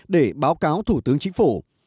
để báo cáo thủ tướng chính phủ